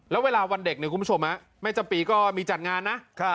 แล้วเวลาวันเด็กเนี่ยคุณผู้ชมไม่จำปีก็มีจัดงานนะ